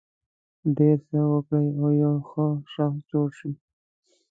ډېر څه وکړي او یو ښه شخص جوړ شي.